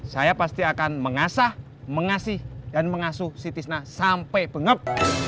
saya pasti akan mengasah mengasih dan mengasuh si tisna sampai pengep